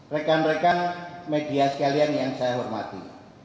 rekan rekan media sekalian yang saya hormati